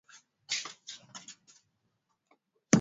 Watu hulitembelea Kanisa hilo kutokana na kuwa na historia kubwa